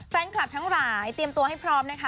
แฟนคลับทั้งหลายเตรียมตัวให้พร้อมนะคะ